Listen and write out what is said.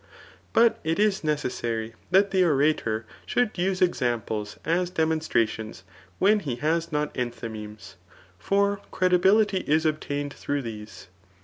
But it is necessary that the orator should use examines as demonstrations when he has not enthymemes; for credibility is obtained through these.